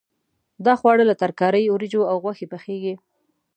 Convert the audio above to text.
دا خواړه له ترکارۍ، وریجو او غوښې پخېږي.